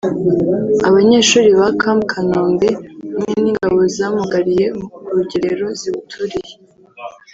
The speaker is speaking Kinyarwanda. abanyeshuri ba Camp Kanombe hamwe n’ingabo zamugariye ku rugerero ziwuturiye